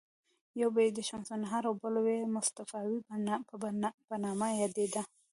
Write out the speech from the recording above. یوه یې د شمس النهار او بله یې د مصطفاوي په نامه یادیده.